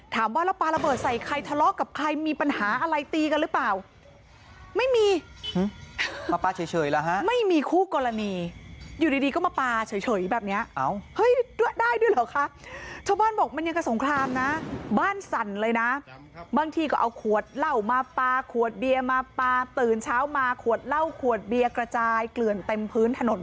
ถามว่าแล้วปาระเบิร์ตใส่ใครทะเลาะกับใครมีปัญหาอะไรตีกันหรือเปล่า